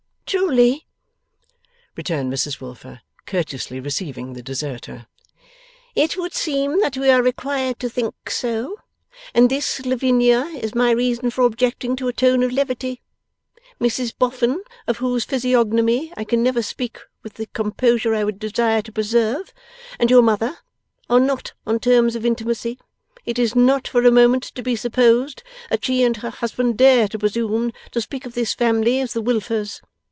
'Truly,' returned Mrs Wilfer, courteously receiving the deserter, 'it would seem that we are required to think so. And this, Lavinia, is my reason for objecting to a tone of levity. Mrs Boffin (of whose physiognomy I can never speak with the composure I would desire to preserve), and your mother, are not on terms of intimacy. It is not for a moment to be supposed that she and her husband dare to presume to speak of this family as the Wilfers.